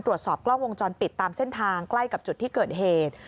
ตรวจสอบกล้องวงจรปิดตามเส้นทางใกล้กับจุดที่เกิดเหตุ